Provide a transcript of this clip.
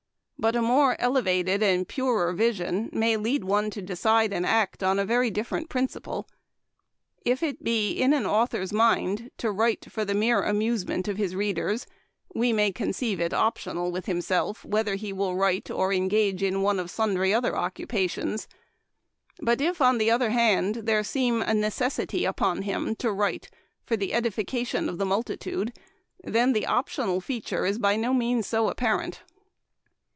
But a more elevated and purer vision may lead one to decide and act on a very different principle. If it be in an author's mind to write for the mere amusement of his readers, we may conceive it optional with himself whether he will write or engage in one of sundry other occupations ; but if, on the other Memoir of Washington Irving. 1 5 1 hand, there seem "a necessity upon him" to write for the edification of the multitude, then the optional feature is by no means so ap parent.